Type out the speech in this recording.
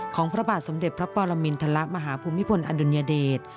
ของพระบาทสมเด็จพระปอลมินทะละมหาภูมิพลอดุญเดช